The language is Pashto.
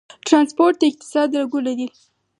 ټرانسپورټ د اقتصاد رګونه دي